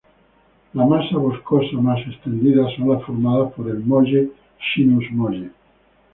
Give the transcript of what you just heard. Las masas boscosas más extendidas son las formadas por el molle -schinus molle.